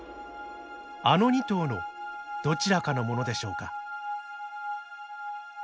あの２頭のどちらかのものでしょうか。